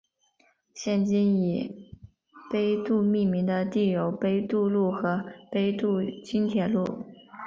现今以杯渡命名的地有杯渡路和杯渡轻铁站。